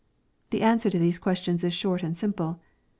— The answer to these ques tions is short and simple.